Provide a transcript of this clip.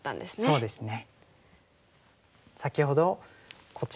そうですね。